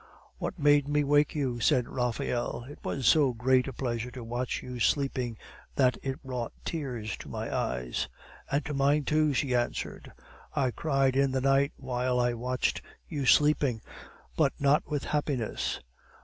"What made me wake you?" said Raphael. "It was so great a pleasure to watch you sleeping that it brought tears to my eyes." "And to mine, too," she answered. "I cried in the night while I watched you sleeping, but not with happiness.